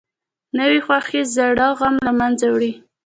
نوې خوښي زوړ غم له منځه وړي